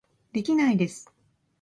できないです